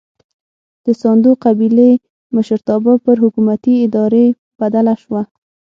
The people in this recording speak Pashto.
د ساندو قبیلې مشرتابه پر حکومتي ادارې بدله شوه.